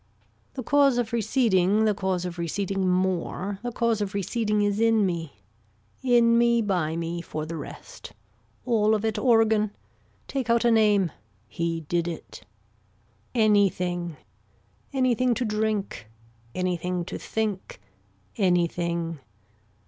The cause of receding the cause of receding more, the cause of receding is in me. In me by me, for the rest. All of it organ. Take out a name. He did it. Anything. Anything to drink. Anything to think. Anything.